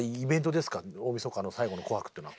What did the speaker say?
大みそかの最後の「紅白」というのは。